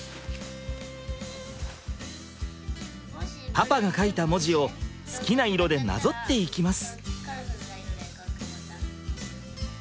パパが書いた文字を好きな色でなぞっていきます。